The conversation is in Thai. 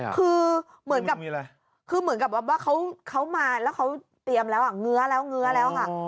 คือเหมือนกับว่าเขามาแล้วเขาเตรียมแล้วเงื้อแล้วค่ะ